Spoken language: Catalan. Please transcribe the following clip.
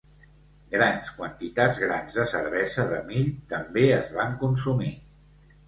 Grans quantitats grans de cervesa de mill també es van consumir.